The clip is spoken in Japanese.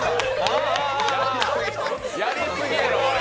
やりすぎやろ、これ！